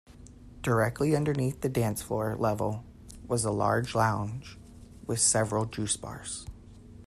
Directly underneath the dance-floor level was a large lounge with several juice bars.